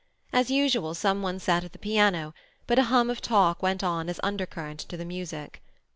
As usual, some one sat at the piano, but a hum of talk went on as undercurrent to the music.